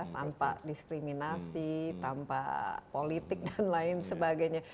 tanpa diskriminasi tanpa politik dan lain sebagainya